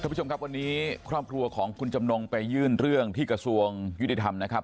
ผู้ชมครับวันนี้ครอบครัวของคุณจำนงไปยื่นเรื่องที่กระทรวงยุติธรรมนะครับ